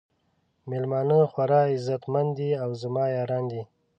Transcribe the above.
میلمانه خورا عزت مند دي او زما یاران دي.